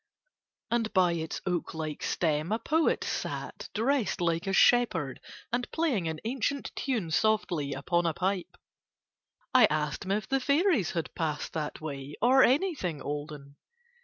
And by its oak like stem a poet sat, dressed like a shepherd and playing an ancient tune softly upon a pipe. I asked him if the fairies had passed that way or anything olden.